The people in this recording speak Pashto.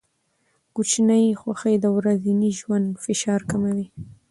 کوچني خوښۍ د ورځني ژوند فشار کموي.